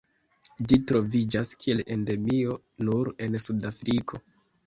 Ĝi troviĝas kiel endemio nur en Sudafriko.